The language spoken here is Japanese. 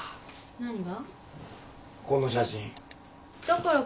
何が？